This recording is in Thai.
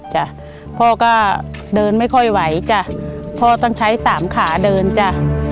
หลามขาเดินจ้ะ